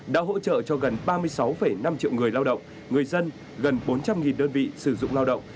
đã hỗ trợ cho gần ba mươi sáu năm triệu người lao động người dân gần bốn trăm linh đơn vị sử dụng lao động